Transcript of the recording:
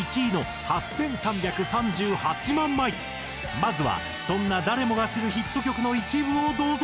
まずはそんな誰もが知るヒット曲の一部をどうぞ。